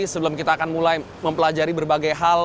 sebelum kita akan mulai mempelajari berbagai hal